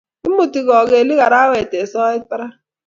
Imuti kogelik arawet eng soet barak